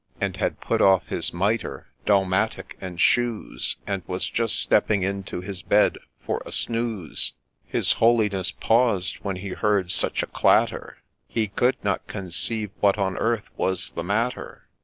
And had put off his mitre, dalmatic, and shoes, And was just stepping into his bed for a snooze. His Holiness paused when he heard such a clatter ; He could not conceive what on earth was the matter.